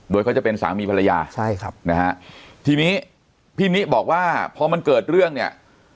โดยเขาจะเป็นสามีภรรยาใช่ครับนะฮะทีนี้พี่นิบอกว่าพอมันเกิดเรื่องเนี่ย